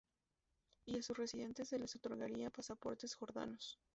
Y a sus residentes se les otorgaría pasaportes jordanos.